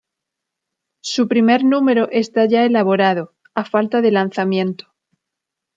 Su primer número está ya elaborado, a falta de lanzamiento.